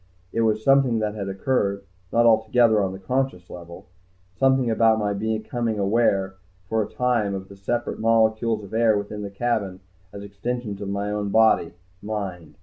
It was something that had occurred not altogether on the conscious level. Something about my becoming aware, for a time, of the separate molecules of air within the cabin as extensions of my own body mind.